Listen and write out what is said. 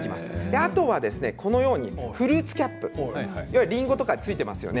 あとはこのようにフルーツキャップりんごとかに付いていますよね。